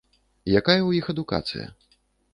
Якая ў іх адукацыя?